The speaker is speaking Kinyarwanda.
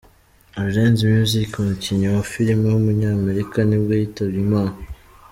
Lorenzo Music, umukinnyi wa film w’umunyamerika nibwo yitabye Imana.